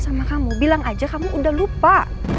sama kamu bilang aja kamu udah lupa